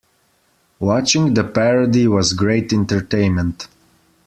Watching the parody was great entertainment.